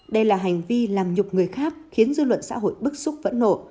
đây là hành vi làm nhục người khác khiến dư luận xã hội bức xúc phẫn nộ